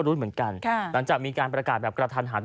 รุ้นเหมือนกันหลังจากมีการประกาศแบบกระทันหัน